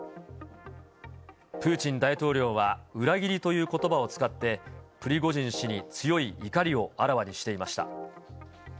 プーチン大統領は裏切りということばを使って、プリゴジン氏に強い怒りをあらわにしていました。